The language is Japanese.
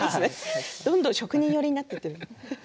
どんどん職人寄りになっている。